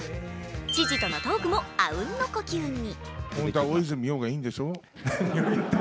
知事とのトークもあうんの呼吸に。